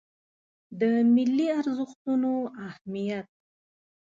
د ملي ارزښتونو اهمیت